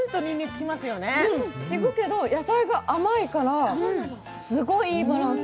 きくけど、野菜が甘いからすごいいバランス。